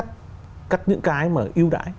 cắt những cái mà ưu đãi